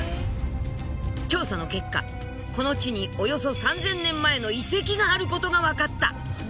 調査の結果この地におよそ３，０００年前の遺跡があることが分かった。